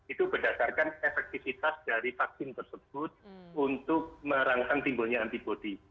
itu berdasarkan efektivitas dari vaksin tersebut untuk merangsang timbulnya antibody